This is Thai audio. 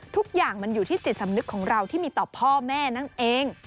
ทุกอย่างมันอยู่ที่จิตสำนึกของเราที่มีต่อพ่อแม่นั่นเอง